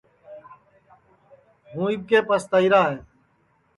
ہُوں اِٻکے پستائیرا ہے